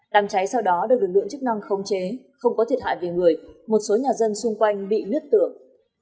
đám cháy sau đó được lượng chức năng không chế không có thiệt hại về người một số nhà dân xung quanh bị lướt tượng